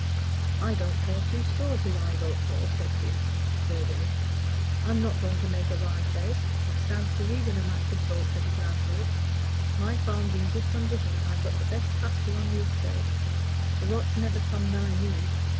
"I don't care two straws who I vote for," said Dibbs, sturdily. "I'm not going to make a wry face. It stands to reason a man should vote for his landlord. My farm's in good condition, and I've got the best pasture on the estate. The rot's never come nigh me.